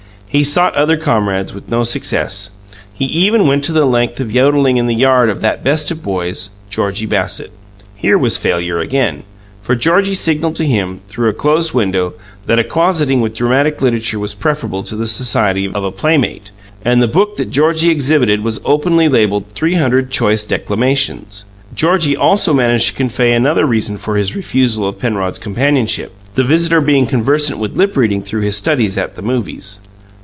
He sought other comrades, with no success; he even went to the length of yodelling in the yard of that best of boys, Georgie Bassett. Here was failure again, for Georgie signalled to him, through a closed window, that a closeting with dramatic literature was preferable to the society of a playmate; and the book that Georgie exhibited was openly labelled, "300 Choice Declamations." Georgie also managed to convey another reason for his refusal of Penrod's companionship, the visitor being conversant with lip reading through his studies at the "movies."